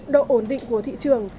độ ổn định của thị trường